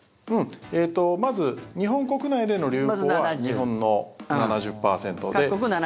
まず、日本国内での流行は日本の７０％で。